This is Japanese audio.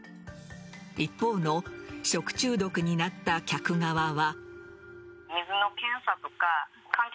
一方の食中毒になった客側は。